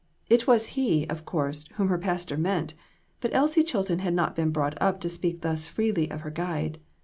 It was He, of course, whom her pastor meant ; but Elsie Chilton had not been brought up to speak thus freely of her Guide.